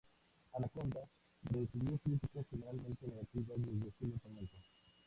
Anaconda recibió críticas generalmente negativas desde su lanzamiento.